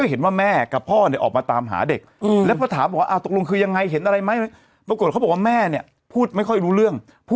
เออเขาก็เฮ้฻๒๐๐๕๐๐๙๙๐๐๑๖